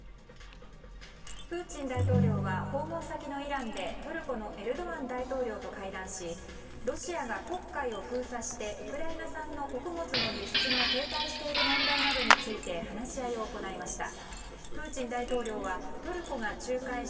プーチン大統領は訪問先のイランでトルコのエルドアン大統領と会談しロシアが黒海を封鎖してウクライナ産の穀物の輸出が停滞している問題などについて話し合いを行いました。